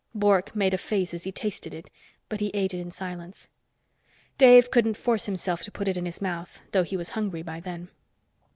Bork made a face as he tasted it, but he ate it in silence. Dave couldn't force himself to put it in his mouth, though he was hungry by then.